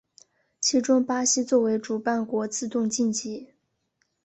其中巴西作为主办国自动晋级。